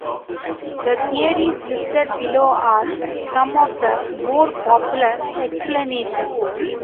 The theories listed below are some of the more popular explanations.